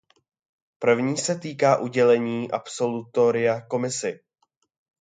První se týká udělení absolutoria Komisi.